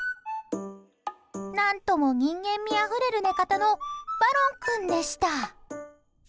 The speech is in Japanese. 何とも人間味あふれる寝方のバロン君でした。